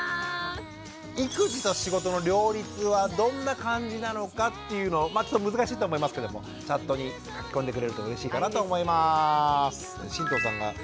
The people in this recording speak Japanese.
育児と仕事の両立はどんな感じなのかっていうのをちょっと難しいと思いますけどもチャットに書き込んでくれるとうれしいかなと思います。